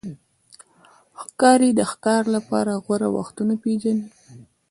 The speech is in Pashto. ښکاري د ښکار لپاره غوره وختونه پېژني.